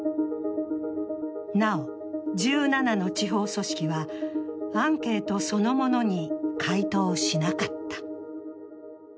なお、１７の地方組織は、アンケートそのものに回答しなかった。